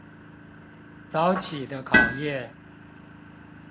早起的考驗